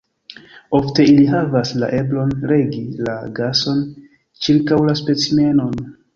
Ofte ili havas la eblon regi la gason ĉirkaŭ la specimenon.